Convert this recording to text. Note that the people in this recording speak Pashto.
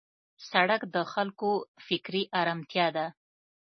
سړک د خلکو فکري آرامتیا ده.